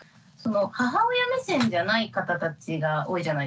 母親目線じゃない方たちが多いじゃないですか。